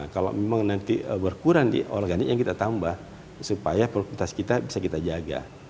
kalau memang nanti berkurang di organik yang kita tambah supaya produktivitas kita bisa kita jaga